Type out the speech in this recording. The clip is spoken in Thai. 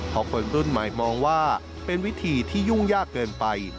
เพราะคนรุ่นใหม่มองว่าเป็นวิธีที่ยุ่งยากเกินไป